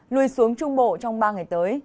lùi xuống trung bộ trong ba ngày tới